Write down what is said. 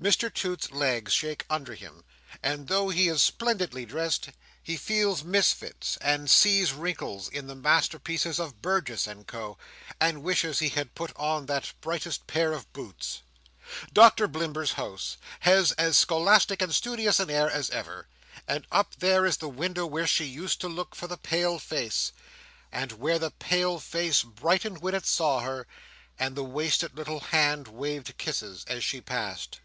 Mr Toots's legs shake under him; and though he is splendidly dressed, he feels misfits, and sees wrinkles, in the masterpieces of Burgess and Co., and wishes he had put on that brightest pair of boots. Doctor Blimber's house, outside, has as scholastic and studious an air as ever; and up there is the window where she used to look for the pale face, and where the pale face brightened when it saw her, and the wasted little hand waved kisses as she passed.